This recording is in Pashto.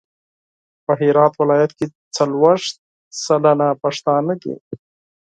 په هرات ولایت کې څلویښت سلنه پښتانه دي.